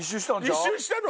一周したの？